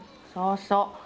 そうそう。